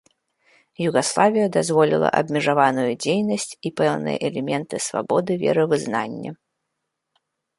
Югаславія дазволіла абмежаваную дзейнасць і пэўныя элементы свабоды веравызнання.